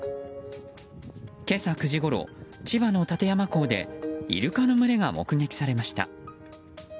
今朝９時ごろ、千葉の館山港でイルカの群れが目撃されました。